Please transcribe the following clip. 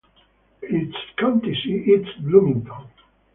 Its county seat is Bloomington.